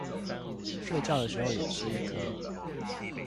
睡覺的時候也吃一顆